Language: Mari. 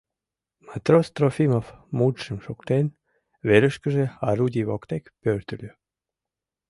Матрос Трофимов, мутшым шуктен, верышкыже, орудий воктек, пӧртыльӧ.